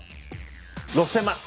６，０００万。